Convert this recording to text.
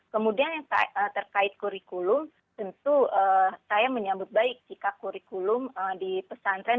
kemudian yang terkait kurikulum tentu saya menyambut baik jika kurikulum di pesantren